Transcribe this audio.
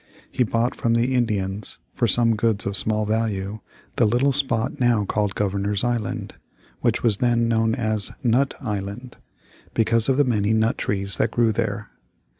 He bought from the Indians, for some goods of small value, the little spot now called Governor's Island; which was then known as Nut Island, because of the many nut trees that grew there.